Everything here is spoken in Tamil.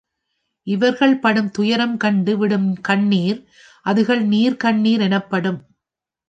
இவர்கள் படும் துயரம் கண்டு விடும் கண்ணிர் அது கள்நீர் கண்ணிர் எனப்பட்டது.